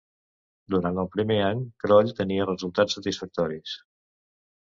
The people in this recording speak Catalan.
Durant el primer any Kroll tenia resultats satisfactoris.